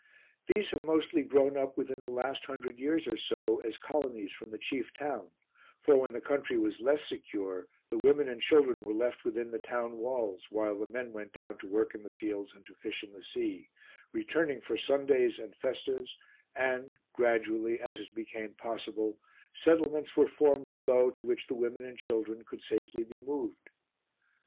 These have mostly grown up within the last hundred years or so as colonies from the chief town, for when the country was less secure the women and children were left within the town walls while the men went down to work in the fields and to fish in the sea, returning for Sundays and festas, and gradually, as it became possible, settlements were formed below to which the women and children could safely be moved.